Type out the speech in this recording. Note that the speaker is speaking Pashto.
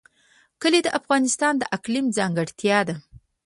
کلي د افغانستان د اقلیم ځانګړتیا ده.